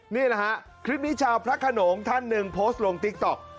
นี่แหละฮะคลิปนี้ชาวพระขนงท่านหนึ่งโพสต์ลงติ๊กต๊อก